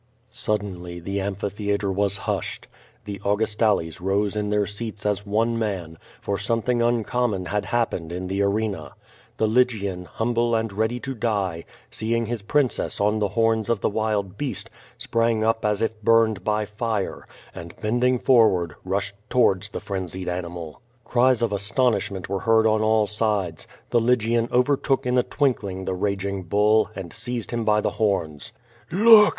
'* Suddenly the amphitheatre was hushed. The Augustales rose in their seats as one man, for something uncommon had happened in the arena. The Lygian, humble and ready to die, seeing his princess on the horns of the wild beast, sprang up as if burned by fire, and bending forward, rushed toward the frenzied animal. 0170 VADI8. 477 Cries of astonishment were heard on all sides. The Lygian overtook in a twinkling the raging bull, and seized him by the horns. "Look!''